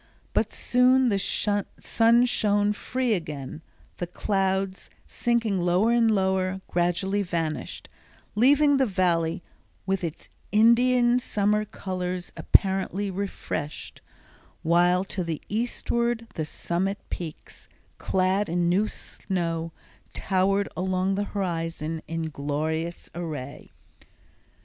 But soon the sun shone free again, the clouds, sinking lower and lower, gradually vanished, leaving the Valley with its Indian summer colors apparently refreshed, while to the eastward the summit peaks, clad in new snow, towered along the horizon in glorious array.